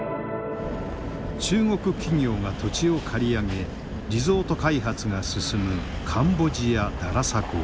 中国企業が土地を借り上げリゾート開発が進むカンボジア・ダラサコー。